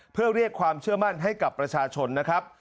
เพื่อเรียกความเชื่อมั่นให้กับประชาชนนะครับ